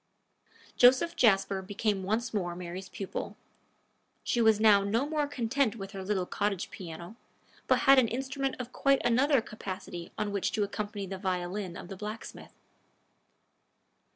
Joseph Jasper became once more Mary's pupil. She was now no more content with her little cottage piano, but had an instrument of quite another capacity on which to accompany the violin of the blacksmith.